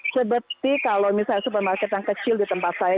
seperti kalau misalnya supermarket yang kecil di tempat saya